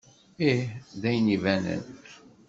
Ih, d ayen ibanen.